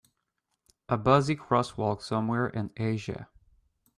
A busy crosswalk somewhere in asia.